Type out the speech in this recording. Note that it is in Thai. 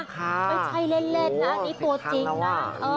ไม่ใช่เล่นนะอันนี้ตัวจริงนะ